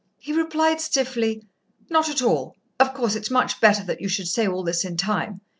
He replied stiffly, "Not at all. Of course, it's much better that you should say all this in time